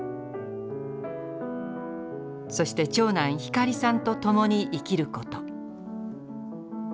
そして長男光さんと共に生きること。